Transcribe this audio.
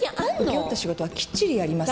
請け負った仕事はきっちりやります。